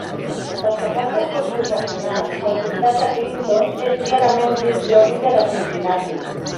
Pel que fa als esports professionals, el comtat de Clinton és clarament dins l'òrbita de Cincinnati.